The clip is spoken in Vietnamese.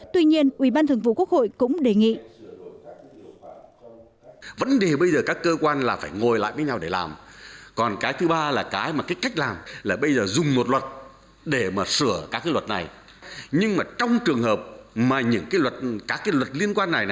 tuy nhiên ủy ban thường vụ quốc hội cũng đề nghị